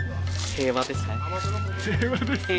平和ですね。